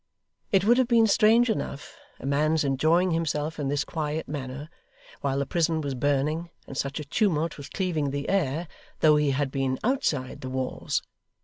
It would have been strange enough, a man's enjoying himself in this quiet manner, while the prison was burning, and such a tumult was cleaving the air, though he had been outside the walls.